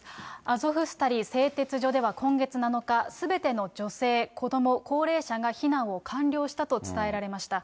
アゾフスタリ製鉄所では今月７日、すべての女性、子ども、高齢者が避難を完了したと伝えられました。